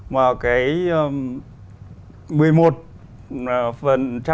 mà đối với việt nam là đầu tư công